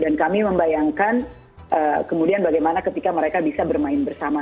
dan kami membayangkan kemudian bagaimana ketika mereka bisa bermain bersama